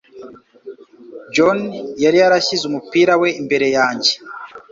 John yari yashyize umupira we imbere yanjye.